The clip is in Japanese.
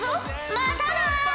またな！